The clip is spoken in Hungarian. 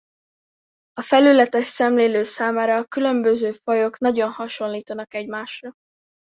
A felületes szemlélő számára a különböző fajok nagyon hasonlítanak egymásra.